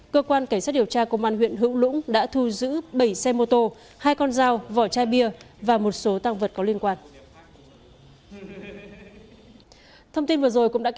cơ quan cảnh sát điều tra công an huyện hữu lũng đã thu giữ bảy xe mô tô hai con dao vỏ chai bia và một số tăng vật có liên quan